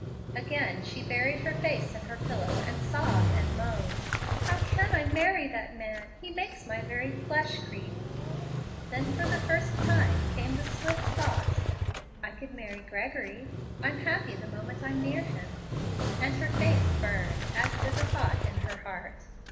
Again she buried her face in her pillow and sobbed and moaned, "How can I marry that man! He makes my very flesh creep." Then for the first time came the swift thought, "I could marry Gregory; I'm happy the moment I'm near him;" and her face burned as did the thought in her heart.